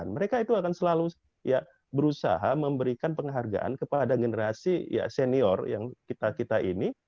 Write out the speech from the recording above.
mereka itu akan selalu berusaha memberikan penghargaan kepada generasi ya senior yang kita kita ini